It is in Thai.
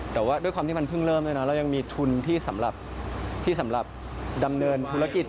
แต่ว่าด้วยความที่มันเพิ่งเริ่มด้วยนะเรายังมีทุนที่สำหรับที่สำหรับดำเนินธุรกิจ